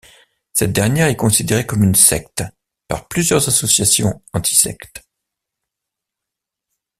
Cette dernière est considérée comme une secte par plusieurs associations antisectes.